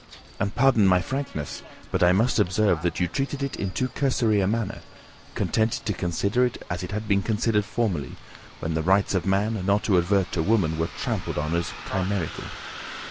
And pardon my frankness, but I must observe, that you treated it in too cursory a manner, contented to consider it as it had been considered formerly, when the rights of man, not to advert to woman, were trampled on as chimerical.